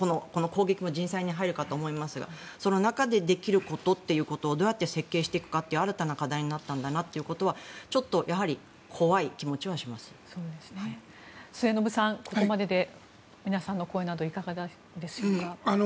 攻撃は人災に入るかと思いますがそのなかでできることをどうやって設計していくかという新たな課題になったんだということはちょっと末延さん、ここまでで皆さんの声などいかがでしょうか。